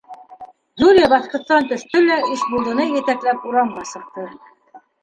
Юлия баҫҡыстан төштө лә Ишбулдыны етәкләп урамға сыҡты.